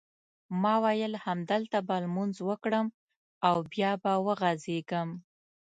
ما وېل همدلته به لمونځ وکړم او بیا به وغځېږم.